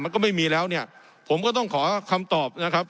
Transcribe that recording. มันก็ไม่มีแล้วเนี่ยผมก็ต้องขอคำตอบนะครับ